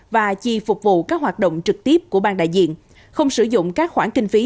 và chi phục vụ các hoạt động trực tiếp của ban đại diện không sử dụng các khoản kinh phí